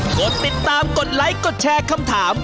กดติดตามกดไลค์กดแชร์คำถาม